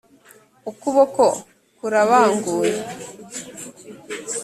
ukuboko kurabanguye